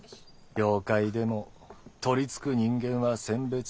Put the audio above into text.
妖怪でも取り憑く人間は選別するか。